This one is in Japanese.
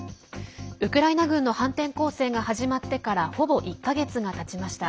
ウクライナ軍の反転攻勢が始まってからほぼ１か月がたちました。